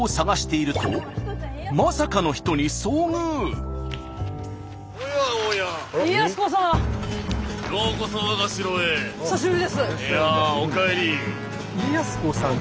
いやあおかえり。